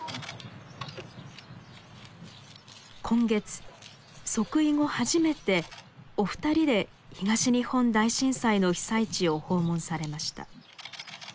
今月即位後初めてお二人で東日本大震災の被災地を訪問されました。